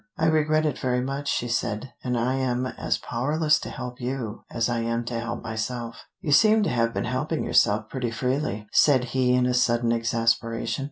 "I regret it very much," she said, "and I am as powerless to help you, as I am to help myself." "You seem to have been helping yourself pretty freely," said he in a sudden exasperation.